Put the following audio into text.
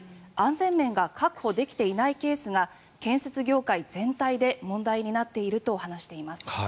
全面が確保できていないケースが建設業界全体で問題になっていると話しています。